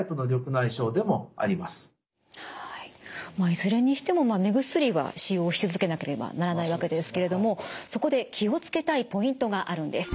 いずれにしても目薬は使用し続けなければならないわけですけれどもそこで気を付けたいポイントがあるんです。